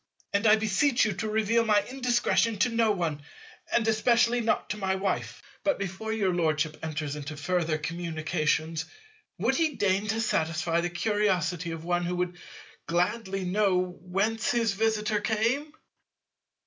And I beseech you to reveal my indiscretion to no one, and especially not to my Wife. But before your Lordship enters into further communications, would he deign to satisfy the curiosity of one who would gladly know whence his visitor came?